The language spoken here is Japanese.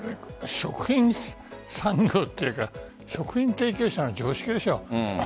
食品産業というか食品提供者の常識ですよ。